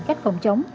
các phòng chống